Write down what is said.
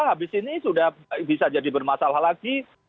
habis ini sudah bisa jadi bermasalah lagi